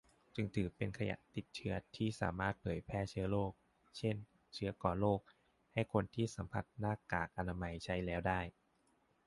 จึงถือเป็นขยะติดเชื้อที่สามารถแพร่เชื้อโรค เช่น เชื้อก่อโรค ให้คนที่สัมผัสหน้ากากอนามัยใช้แล้วได้